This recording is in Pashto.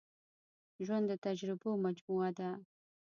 ژوند د تجربو مجموعه ده.